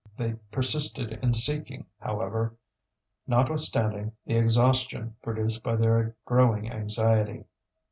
They persisted in seeking, however, notwithstanding the exhaustion produced by their growing anxiety.